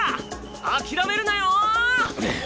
諦めるなよぉ！